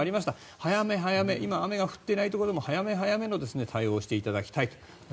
早め早め今、雨が降っていないところでも早め早めの対応をしていただきたいと。